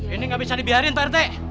ini nggak bisa dibiarin pak rt